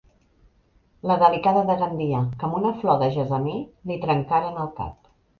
La Delicada de Gandia, que amb una flor de gessamí li trencaren el cap.